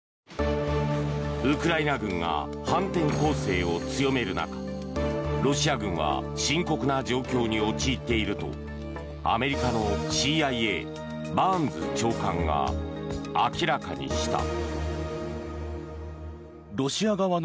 ウクライナ軍が反転攻勢を強める中ロシア軍は深刻な状況に陥っているとアメリカのＣＩＡバーンズ長官が明らかにした。